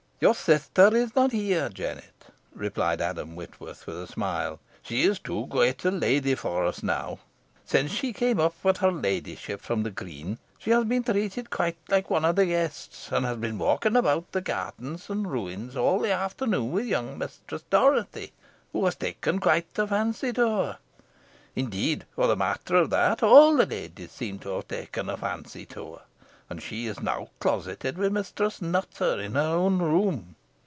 "Your sister is not here, Jennet," replied Adam Whitworth, with a smile. "She is too great a lady for us now. Since she came up with her ladyship from the green she has been treated quite like one of the guests, and has been walking about the garden and ruins all the afternoon with young Mistress Dorothy, who has taken quite a fancy to her. Indeed, for the matter of that, all the ladies seem to have taken a fancy to her, and she is now closeted with Mistress Nutter in her own room."